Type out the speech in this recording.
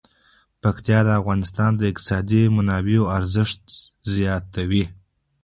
پکتیا د افغانستان د اقتصادي منابعو ارزښت زیاتوي.